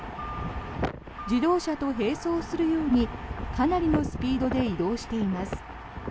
自動車と並走するようにかなりのスピードで移動しています。